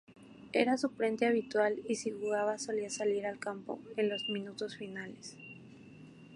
Era suplente habitual y si jugaba solía salir al campo en los minutos finales.